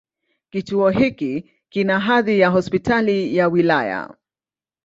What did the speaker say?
Kituo hiki kina hadhi ya Hospitali ya wilaya.